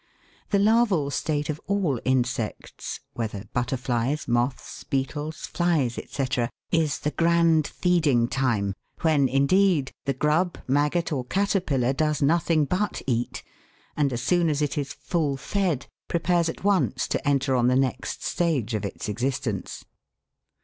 The larval state of all insects, whether butterflies, moths, beetles, flies, &c., is the grand feeding time, when, indeed, the grub, maggot, or caterpillar, does nothing but eat, and as soon as it is " full fed " prepares at once to enter on the next stage of its existence.